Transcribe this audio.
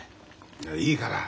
いやいいから。